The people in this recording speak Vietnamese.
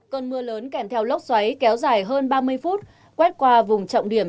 cơn mưa lớn kèm theo lốc xoáy kéo dài hơn ba mươi phút quét qua vùng trọng điểm